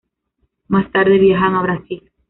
Más tarde, viajan a Brasil.